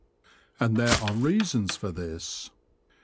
And there are reasons for this.